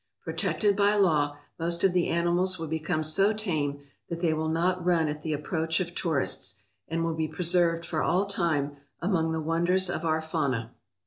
Protected by law, most of the animals will become so tame that they will not run at the approach of tourists, and will be preserved for all time among the wonders of our fauna.